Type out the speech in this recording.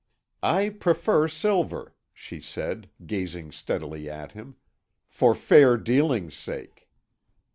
"I prefer silver," she said, gazing steadily at him, "for fair dealing's sake."